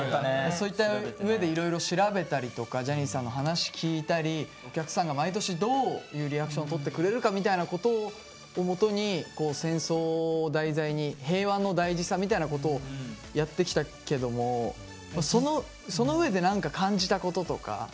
そういったうえでいろいろ調べたりとかジャニーさんの話聞いたりお客さんが毎年どういうリアクションをとってくれるかみたいなことをもとに戦争を題材に平和の大事さみたいなことをやってきたけどもそのうえで何か感じたこととか。